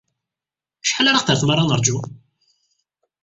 Acḥal ara aɣ-terr tmara ad neṛju?